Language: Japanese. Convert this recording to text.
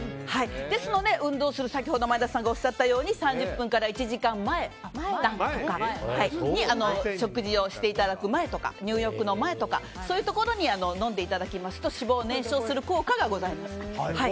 ですので運動する先ほど前田さんがおっしゃったように３０分から１時間前食事をしていただく前とか入浴の前とかそういうところに飲んでいただきますと脂肪を燃焼する効果がございます。